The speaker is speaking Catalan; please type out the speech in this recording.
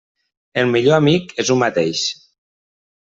El millor amic és u mateix.